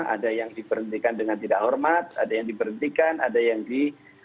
ada yang diberhentikan dengan tidak hormat ada yang diberhentikan ada yang di